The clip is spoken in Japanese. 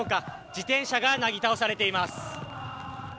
自転車がなぎ倒されています。